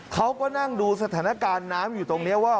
เขาก็นั่งดูสถานการณ์น้ำอยู่ตรงนี้ว่า